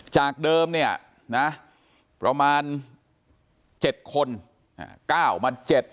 จากเดิมเนี่ยนะประมาณ๗คน๙มา๗